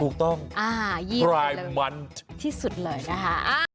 ถูกต้องที่สุดเลยนะคะ